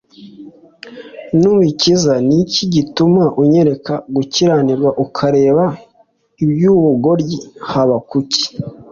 ntubikize ni iki gituma unyereka gukiranirwa ukareba iby ubugoryi habakuki